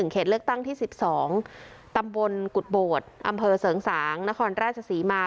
เขตเลือกตั้งที่๑๒ตำบลกุฎโบดอำเภอเสริงสางนครราชศรีมา